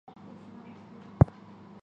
早年师从楼郁。